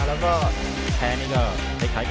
อันดับสุดท้ายของมันก็คือ